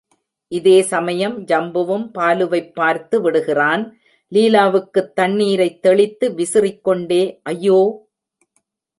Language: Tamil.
இதே சமயம் ஜம்புவும் பாலுவைப் பார்த்து விடுகிறான், லீலாவுக்குத் தண்ணீரைத் தெளித்து விசிறிக் கொண்டே ஐயோ!